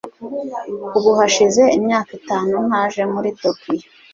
Ubu hashize imyaka itanu ntaje muri Tokiyo.